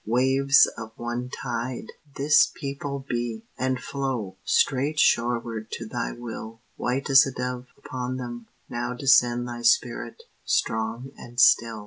Waves of one tide, this people be! and flow Straight shoreward to Thy will. White as a dove, upon them, now descend Thy Spirit, strong and still.